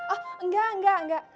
oh enggak enggak enggak